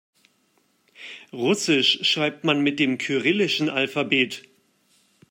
Russisch schreibt man mit dem kyrillischen Alphabet.